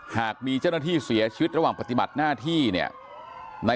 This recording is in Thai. หากมีเจ้าหน้าที่เสียชีวิตระหว่างปฏิบัติหน้าที่เนี่ย